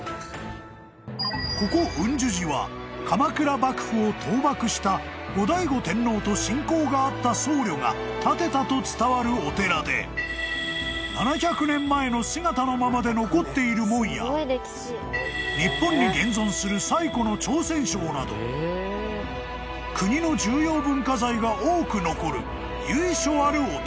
［ここ雲樹寺は鎌倉幕府を討幕した後醍醐天皇と親交があった僧侶が建てたと伝わるお寺で７００年前の姿のままで残っている門や日本に現存する最古の朝鮮鐘など国の重要文化財が多く残る由緒あるお寺］